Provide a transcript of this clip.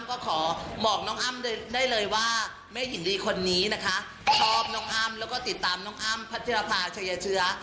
ก็ขอบอกน้องอ้ำได้เลยว่าแม่หญิงลีคนนี้นะคะชอบน้องอ้ำแล้วก็ติดตามน้องอ้ำพัชรภาชัยเชื้อ